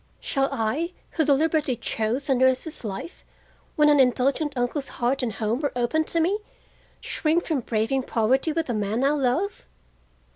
Shall I, who deliberately chose a nurse's life when an indulgent uncle's heart and home were open to me, shrink from braving poverty with the man I love?